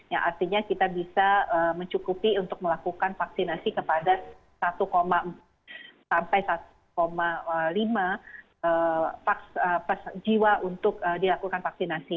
yang artinya kita bisa mencukupi untuk melakukan vaksinasi kepada satu empat sampai satu lima jiwa untuk dilakukan vaksinasi